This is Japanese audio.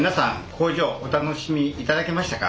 工場お楽しみいただけましたか？